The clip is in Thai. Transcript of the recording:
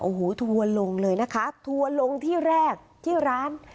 โอโหถั่วลงเลยนะคะถั่วลงที่แรกที่ร้าน